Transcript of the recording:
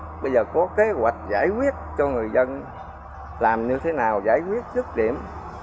chứ bây giờ có kế hoạch giải quyết cho người dân làm như thế nào giải quyết chất điểm